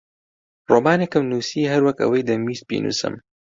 ڕۆمانێکم نووسی هەر وەک ئەوەی دەمویست بینووسم.